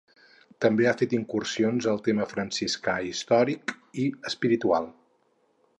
També ha fet incursions al tema franciscà, històric i espiritual.